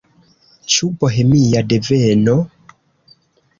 Ĉu bohemia deveno?